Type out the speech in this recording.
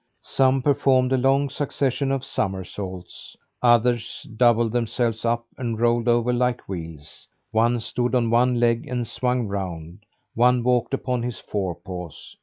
Some performed a long succession of somersaults, others doubled themselves up and rolled over like wheels; one stood on one leg and swung round; one walked upon his forepaws.